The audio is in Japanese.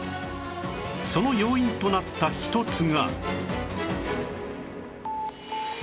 その要因となった一つが